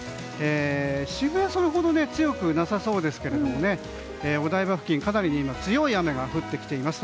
渋谷はそれほど強くなさそうですがお台場付近、かなり今強い雨が降ってきています。